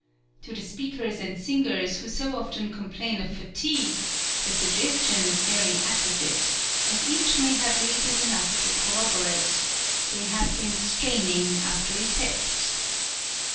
To the speakers and singers who so often complain of fatigue the suggestion is very apposite, as each may have reason enough to corroborate — they have been straining after effect.